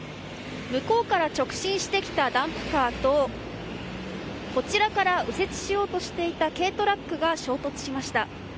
向こうから直進してきたダンプカーとこちらから右折しようとしていた軽トラックが衝突しました。